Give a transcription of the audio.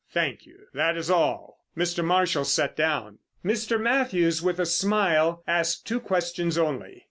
... Thank you, that is all." Mr. Marshall sat down. Mr. Mathews with a smile asked two questions only.